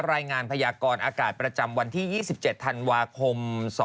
รายงานพยากรอากาศประจำวันที่๒๗ธันวาคม๒๕๖